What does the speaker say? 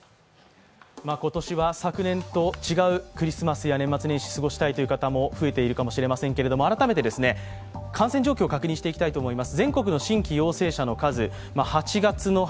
今年は昨年と違うクリスマスや年末年始を過ごしたいという方も増えているかもしれませんけれども改めて感染状況を確認していきたいと思います。